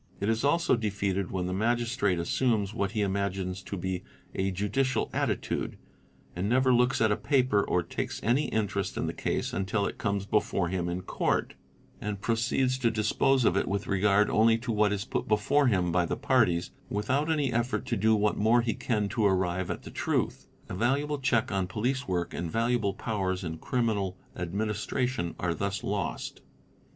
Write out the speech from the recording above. It is also defeated when the Magistrate assumes _ what he imagines to be a judicial attitude, and never looks at a paper or q takes any interest in the case until it comes before him in Court, and 2 ie balls! Oe BABI ba iteiehe Ts ts * Pha, | aes = nee geal ole ae 10 THE INVESTIGATING OFFICER proceeds to dispose of it with regard only to what is put before him by the parties without any effort to do what more he can to arrive at the truth. A valuable check on Police work and valuable powers in criminal administration are thus lost.